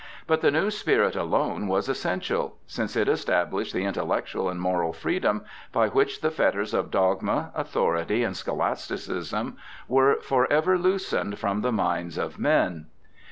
But the new spirit alone was essential ; since it established the intellectual and moral freedom by which the fetters of dogma, authority, and scholasticism were for ever loosened from the minds of men.